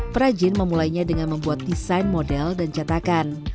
perajin memulainya dengan membuat desain model dan cetakan